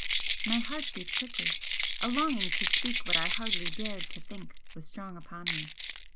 My heart beat quickly. A longing to speak what I hardly dared to think, was strong upon me.